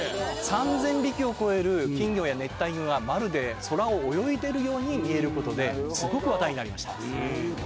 ３０００匹を超える金魚や熱帯魚がまるで空を泳いでるように見えることですごく話題になりました。